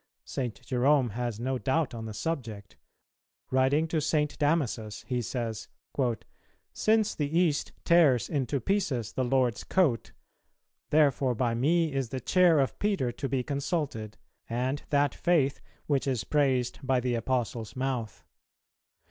St. Jerome has no doubt on the subject: Writing to St. Damasus, he says, "Since the East tears into pieces the Lord's coat, ... therefore by me is the chair of Peter to be consulted, and that faith which is praised by the Apostle's mouth.